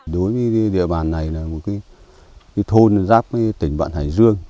đối với địa bàn này là một cái thôn giáp tỉnh bạn hải dương